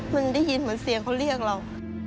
มันได้ยินเหมือนเสียงเขาเรียกเรา